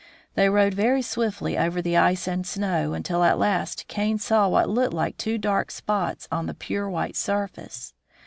They rode very swiftly over the ice and snow, until at last Kane saw what looked like two dark spots on the pure white surface.